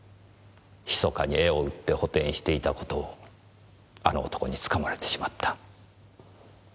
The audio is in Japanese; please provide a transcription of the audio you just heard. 密かに絵を売って補填していた事をあの男につかまれてしまった。